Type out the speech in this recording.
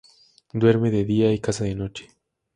Duerme de día y caza de noche.